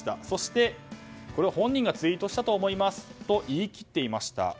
そして、これは本人がツイートしたと思いますと言い切っていました。